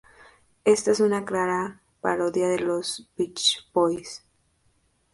Esta es una clara parodia a los Beach Boys.